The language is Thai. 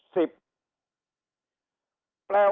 โรคแรก้๒๕